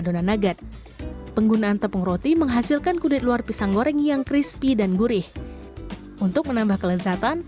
coba kita lihat dulu seperti apa